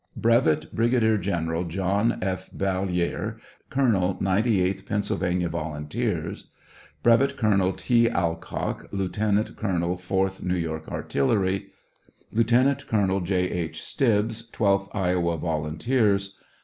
Brevet Brigadier General John F. Ballier, colonel ninety eighth Pennsyl vania volunteers. Brevet Colonel T. Allcock, lieutenant colonel fourth New York artillery. Lieutenant Colonel J. H. Stibbs, twelfth Iowa volunteers.